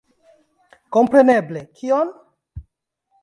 Kompreneble, kion!